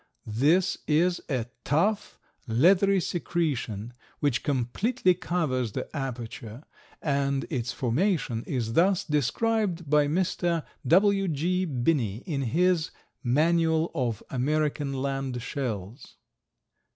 This is a tough, leathery secretion, which completely covers the aperture, and its formation is thus described by Mr. W. G. Binney in his "Manual of American Land Shells."